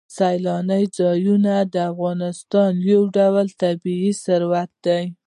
سیلاني ځایونه د افغانستان یو ډول طبعي ثروت دی.